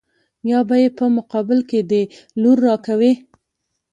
يا به يې په مقابل کې دې لور را کوې.